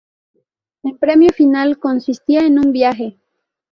En premio final consistía en un viaje.